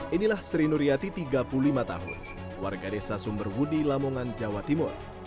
inilah sri nuryati tiga puluh lima tahun warga desa sumberwudi lamongan jawa timur